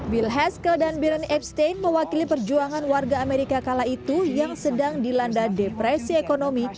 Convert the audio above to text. bill haskel dan birron abstain mewakili perjuangan warga amerika kala itu yang sedang dilanda depresi ekonomi